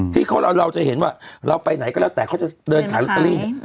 ที่เราจะเห็นว่าเราไปไหนก็แล้วแต่เขาจะเดินขายลอตเตอรี่